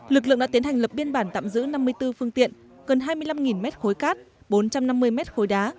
lực lượng đã tiến hành lập biên bản tạm giữ năm mươi bốn phương tiện gần hai mươi năm m ba cát bốn trăm năm mươi m ba đá